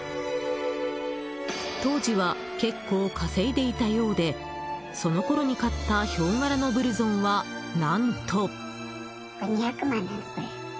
当時は結構稼いでいたようでそのころに買ったヒョウ柄のブルゾンは、何と。